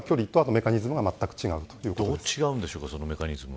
メカニズムはどう違うんですか。